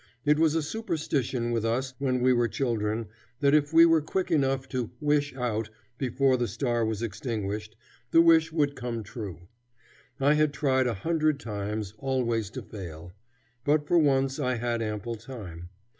It was a superstition with us when we were children that if we were quick enough to "wish out" before the star was extinguished, the wish would come true. I had tried a hundred times, always to fail; but for once I had ample time.